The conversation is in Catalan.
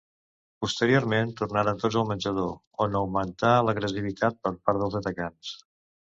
Posteriorment, tornaren tots al menjador, on augmentà l'agressivitat per part dels atacants.